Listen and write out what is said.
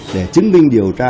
để chứng minh điều tra